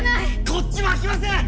こっちも開きません！